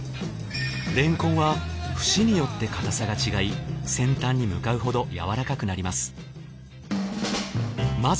れんこんは節によって硬さが違い先端に向かうほど柔らかくなります